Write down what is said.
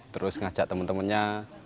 terus ngajak temen temennya